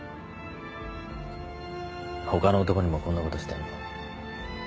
他の男にもこんなことしてんの？